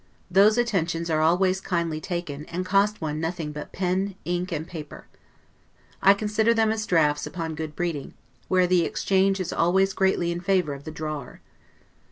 Those attentions are always kindly taken, and cost one nothing but pen, ink, and paper. I consider them as draughts upon good breeding, where the exchange is always greatly in favor of the drawer.